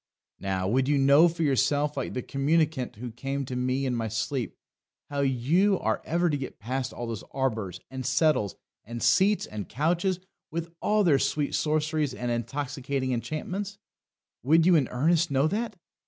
Now, would you know for yourself, like the communicant who came to me in my sleep, how you are ever to get past all those arbours, and settles, and seats, and couches, with all their sweet sorceries and intoxicating enchantments would you in earnest know that?